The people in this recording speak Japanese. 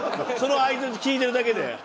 その相づち聞いてるだけで。